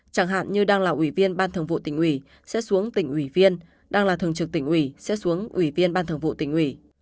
chẳng hạn như đang là ủy viên ban thường vụ tỉnh ủy sẽ xuống tỉnh ủy viên đang là thường trực tỉnh ủy sẽ xuống ủy viên ban thường vụ tỉnh ủy